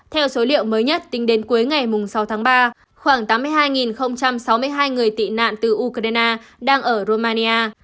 theo số liệu mới nhất tính đến cuối ngày sáu tháng ba khoảng tám mươi hai sáu mươi hai người tị nạn từ ukraine đang ở romania